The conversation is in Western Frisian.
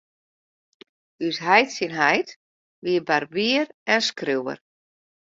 Us heit syn heit wie barbier en skriuwer.